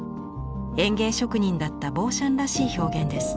園芸職人だったボーシャンらしい表現です。